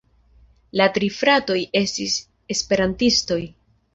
La tri fratoj estis Esperantistoj.